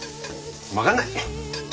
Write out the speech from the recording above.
分かんない。